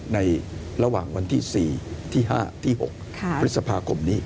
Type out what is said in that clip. ในระหว่างวันที่๔ที่๕ที่๖พฤษภาคมนี้